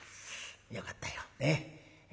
よかったよねえ。